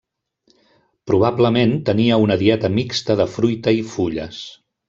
Probablement tenia una dieta mixta de fruita i fulles.